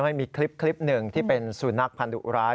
ให้มีคลิปหนึ่งที่เป็นสุนัขพันธุร้าย